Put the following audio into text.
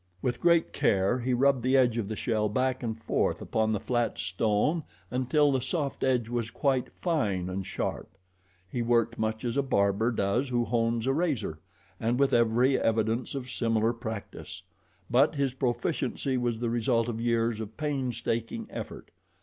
With great care he rubbed the edge of the shell back and forth upon the flat stone until the soft edge was quite fine and sharp. He worked much as a barber does who hones a razor, and with every evidence of similar practice; but his proficiency was the result of years of painstaking effort.